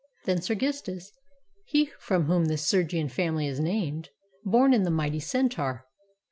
Then Sergestus, he From whom the Sergian family is named. Borne in the mighty Centaur.